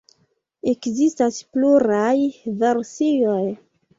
Ekzistas pluraj versioj.